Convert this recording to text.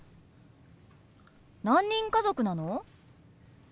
何人家族なの？